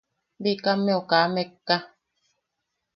Bikammeu kaa mekka.